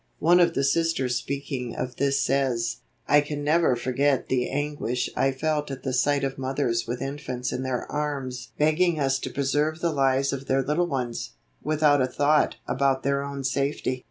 One of the Sisters speaking of this says: "I can never forget the anguish I felt at the sight of mothers with infants in their arms begging us to preserve the lives of their little ones, without a thought about their own safety.